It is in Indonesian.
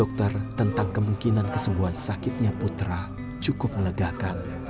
dokter tentang kemungkinan kesembuhan sakitnya putra cukup melegakan